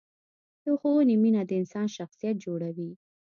د ښوونې مینه د انسان شخصیت جوړوي.